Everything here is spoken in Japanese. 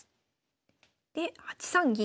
で８三銀。